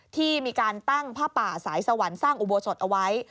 ที่มีการตั้งผ้าป่าสายสวรรค์สร้างอุโบสถเอาไว้